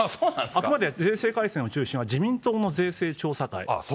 あくまで税制改正の中心は自民党の税制調査会。